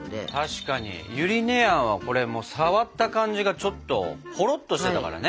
確かにゆり根あんはこれ触った感じがちょっとほろっとしてたからね。